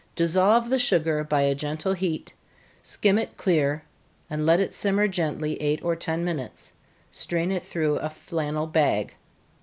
Dissolve the sugar by a gentle heat, skim it clear, then let it simmer gently eight or ten minutes strain it through a flannel bag.